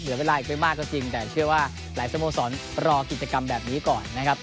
เหลือเวลาอีกไม่มากก็จริงแต่เชื่อว่าหลายสโมสรรอกิจกรรมแบบนี้ก่อนนะครับ